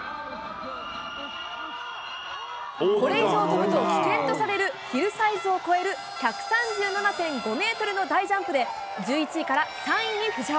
これ以上飛ぶと危険とされるヒルサイズを越える１３７．５メートルの大ジャンプで、１１位から３位に浮上。